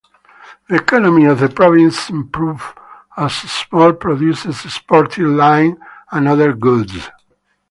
The economy of the province improved, as small producers exported linen and other goods.